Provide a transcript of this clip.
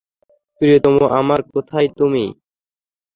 প্রিয়তম আমার, কোথায় তুমি?